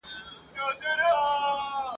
چا دروغ ویل چي دلته بلېدې ډېوې د علم !.